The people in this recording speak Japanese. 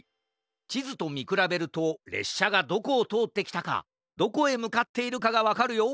ちずとみくらべるとれっしゃがどこをとおってきたかどこへむかっているかがわかるよ。